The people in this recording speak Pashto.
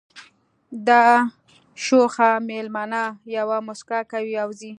دا شوخه مېلمنه یوه مسکا کوي او ځي